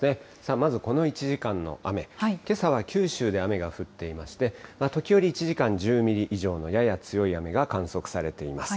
まずこの１時間の雨、けさは九州で雨が降っていまして、時折１時間、１０ミリ以上のやや強い雨が観測されています。